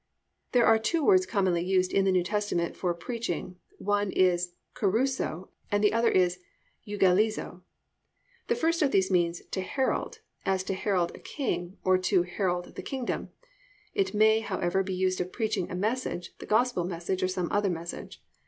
There are two words commonly used in the New Testament for preaching, one is kerusso and the other is euaggelizo. The first of these means to herald, as to herald a king, or to herald the kingdom. It may, however, be used of preaching a message, the gospel message or some other message.